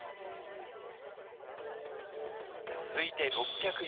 続いて６０４年。